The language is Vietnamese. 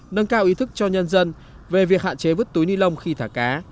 nâng cao ý thức cho nhân dân về việc hạn chế vứt túi ni lông khi thả cá